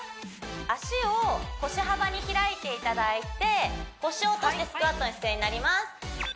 足を腰幅に開いていただいて腰を落としてスクワットの姿勢になりますで